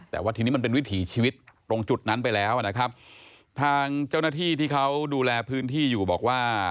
แต่ว่าทีนี้มันเป็นวิถีชีวิตตรงจุดนั้นไปแล้วนะครับทางเจ้าหน้าที่ที่เขาดูแลพื้นที่อยู่บอกว่า